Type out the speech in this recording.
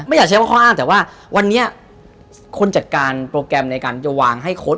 อยากใช้ว่าข้ออ้างแต่ว่าวันนี้คนจัดการโปรแกรมในการจะวางให้โค้ด